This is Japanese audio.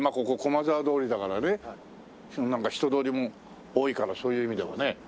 ここ駒沢通りだからねなんか人通りも多いからそういう意味でもね。